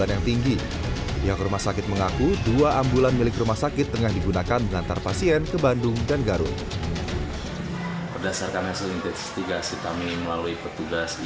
yang rumah sakit mengaku dua ambulan milik rumah sakit tengah digunakan mengantar pasien ke bandung dan garut